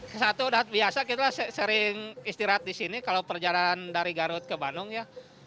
ke satu dan biasa kita sering istirahat di sini kalau perjalanan dari garut ke bandung ya